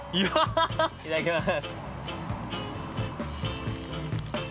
◆いただきます。